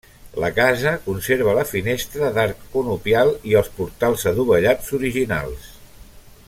La casa conserva la finestra d'arc conopial i els portals adovellats originals.